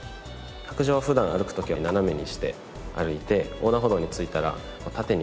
白杖は普段歩く時は斜めにして歩いて横断歩道に着いたら縦に持つ。